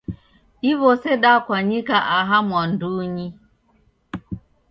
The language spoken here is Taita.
Diw'ose dakwanyika aha mwandunyi.